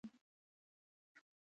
• غاښونه د شخصیت ښکارندویي کوي.